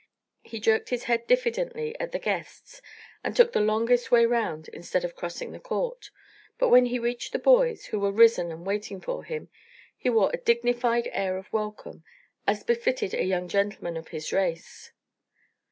He jerked his head diffidently at the guests and took the longest way round instead of crossing the court; but when he reached the boys, who were risen and awaiting him, he wore a dignified air of welcome, as befitted a young gentleman of his race.